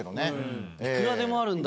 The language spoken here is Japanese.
いくらでもあるんだ。